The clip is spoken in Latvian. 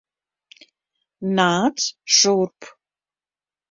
Nāc šurp.